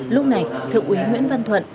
lúc này thượng úy nguyễn văn thuận